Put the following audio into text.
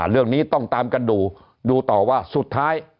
เรื่องนี้ต้องตามกันดูดูต่อว่าสุดท้าย